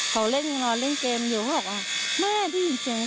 เขาเล่นอยู่นอนเล่นเกมอยู่ว่าแม่พี่ยินเจอไง